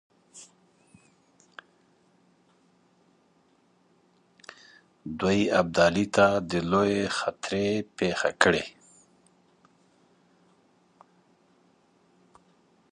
دوی ابدالي ته د لویې خطرې پېښه کړي.